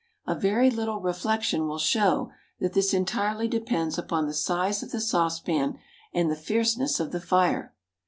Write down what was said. A very little reflection will show that this entirely depends upon the size of the saucepan and the fierceness of the fire.